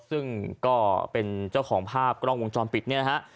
ซึ่งก็เป็นเจ้าของภาพกล้องวงจรปิดเนี่ยนะฮะ